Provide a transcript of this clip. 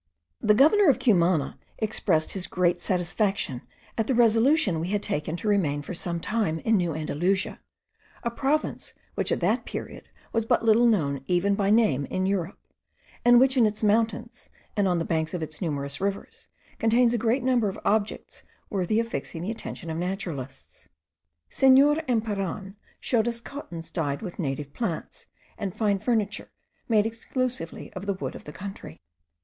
The governor of Cumana expressed his great satisfaction at the resolution we had taken to remain for some time in New Andalusia, a province which at that period was but little known even by name in Europe, and which in its mountains, and on the banks of its numerous rivers, contains a great number of objects worthy of fixing the attention of naturalists. Senor Emperan showed us cottons dyed with native plants, and fine furniture made exclusively of the wood of the country.